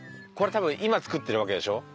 これ多分今作ってるわけでしょ？